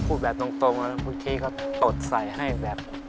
พูดแบบตรงแล้วพูดทีเขาตดใส่ให้แบบ